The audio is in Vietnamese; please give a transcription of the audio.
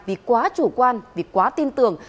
vì quá chủ quan vì quá tin tưởng